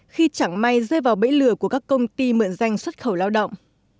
khi chẳng may rơi vào bẫy lừa của các công ty mượn danh xuất khẩu lao động